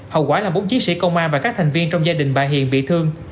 hậu quả là bốn chiến sĩ công an và các thành viên trong gia đình bà hiền bị thương